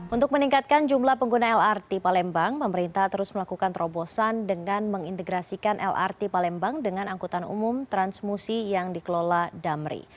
untuk meningkatkan jumlah pengguna lrt palembang pemerintah terus melakukan terobosan dengan mengintegrasikan lrt palembang dengan angkutan umum transmusi yang dikelola damri